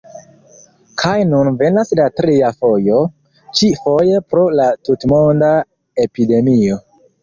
Kaj nun venas la tria fojo, ĉi-foje pro la tutmonda epidemio.